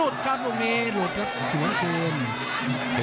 ฝั่งมือมา